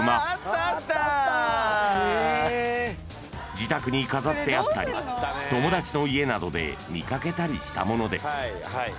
［自宅に飾ってあったり友達の家などで見掛けたりしたものです］